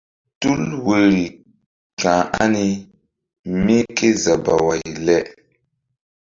Tul woiri ka̧h ani mí ké zabaway le?